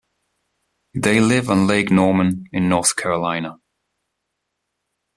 They live on Lake Norman in North Carolina.